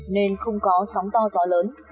nên không có sóng to gió lớn